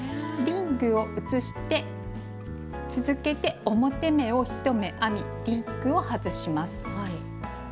リングを移して続けて表目を１目編みリングを外します。